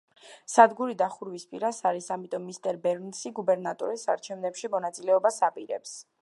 სადგური დახურვის პირას არის, ამიტომ მისტერ ბერნსი გუბერნატორის არჩევნებში მონაწილეობას აპირებს.